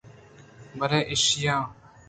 بلے ایشاں